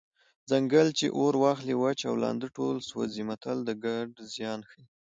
ځنګل چې اور واخلي وچ او لانده ټول سوځي متل د ګډ زیان ښيي